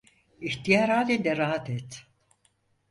İhtiyar halinde rahat et…